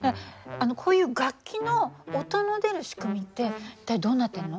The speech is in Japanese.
こういう楽器の音の出る仕組みって一体どうなってるの？